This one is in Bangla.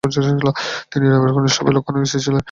তিনি রামের কনিষ্ঠ ভাই লক্ষ্মণের স্ত্রী ছিলেন।